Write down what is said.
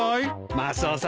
マスオさん